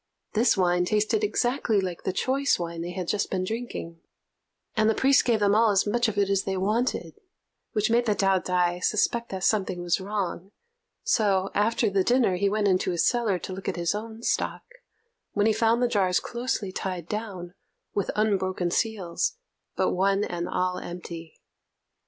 This wine tasted exactly like the choice wine they had just been drinking, and the priest gave them all as much of it as they wanted, which made the Taot'ai suspect that something was wrong; so, after the dinner, he went into his cellar to look at his own stock, when he found the jars closely tied down, with unbroken seals, but one and all empty.